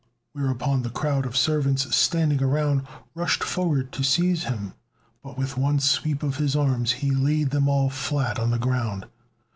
whereupon the crowd of servants standing round rushed forward to seize him, but with one sweep of his arms he laid them all flat on the ground.